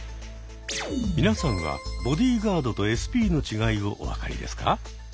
皆さんはボディーガードとＳＰの違いをお分かりですか？